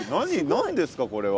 何ですかこれは。